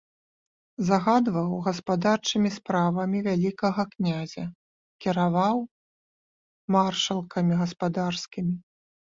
Загадваў гаспадарчымі справамі вялікага князя, кіраваў маршалкамі гаспадарскімі.